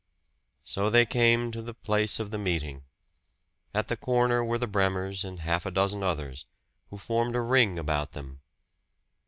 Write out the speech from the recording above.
So they came to the place of the meeting. At the corner were the Bremers and half a dozen others, who formed a ring about them.